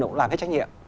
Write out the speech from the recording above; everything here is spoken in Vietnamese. cũng làm hết trách nhiệm